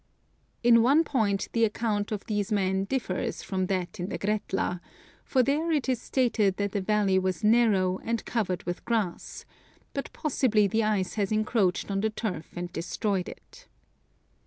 In one point the account of these men differs from that in the Gretla, for there it is stated that the valley was narrow, and covered with grass ; but possibly the ice has encroached on the turf and destroyed it.